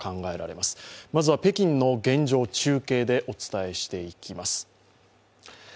まずは北京の現状、中継でお伝えしていきます。